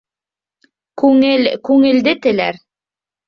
Күңел күңелде теләр.